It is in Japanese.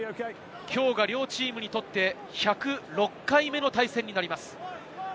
きょうが両チームにとって１０６回目の対戦になります。